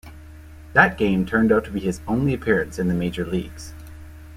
That game turned out to be his only appearance in the major leagues.